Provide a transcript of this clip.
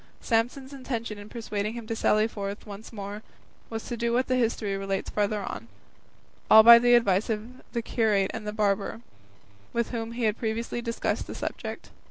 Samson's intention in persuading him to sally forth once more was to do what the history relates farther on; all by the advice of the curate and barber, with whom he had previously discussed the subject.